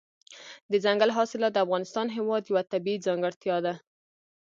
دځنګل حاصلات د افغانستان هېواد یوه طبیعي ځانګړتیا ده.